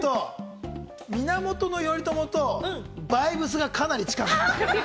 源頼朝とバイブスがかなり近かった。